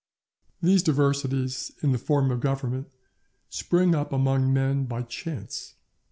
These diversities in the form of Government spring up among men by chance.